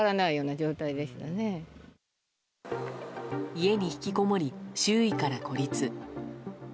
家に引きこもり、周囲から孤立。